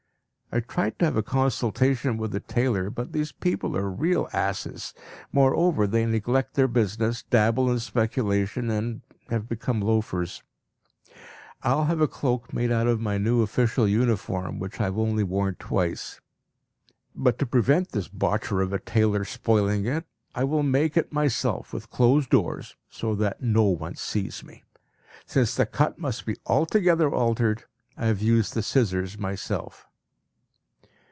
I tried to have a consultation with a tailor, but these people are real asses! Moreover, they neglect their business, dabble in speculation, and have become loafers. I will have a cloak made out of my new official uniform which I have only worn twice. But to prevent this botcher of a tailor spoiling it, I will make it myself with closed doors, so that no one sees me. Since the cut must be altogether altered, I have used the scissors myself.